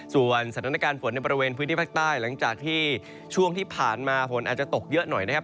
ส่วนสถานการณ์ฝนในบริเวณพื้นที่ภาคใต้หลังจากที่ช่วงที่ผ่านมาฝนอาจจะตกเยอะหน่อยนะครับ